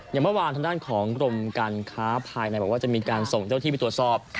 อย่างเมื่อวานทางด้านของกรมการค้าภายในบอกว่าจะมีการส่งเจ้าที่ไปตรวจสอบ